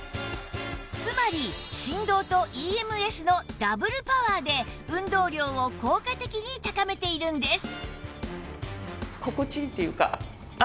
つまり振動と ＥＭＳ のダブルパワーで運動量を効果的に高めているんです